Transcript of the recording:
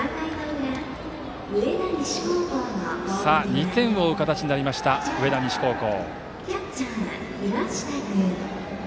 ２点を追う形になった上田西高校。